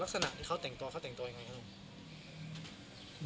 ลักษณะที่เขาแต่งตัวเขาแต่งตัวยังไงครับลุง